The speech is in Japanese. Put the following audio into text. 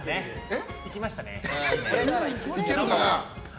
いけるかな。